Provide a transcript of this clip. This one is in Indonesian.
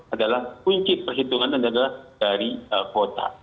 adalah kunci perhitungan negara dari kuota